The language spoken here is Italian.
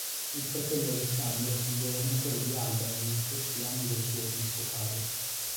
Il fratello Alessandro fu governatore di Alba negli stessi anni del suo episcopato.